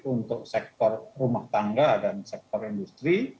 untuk sektor rumah tangga dan sektor industri